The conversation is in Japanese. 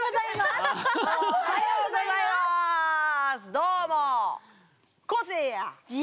どうも。